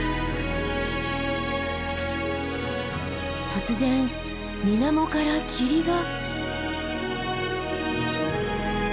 突然水面から霧が。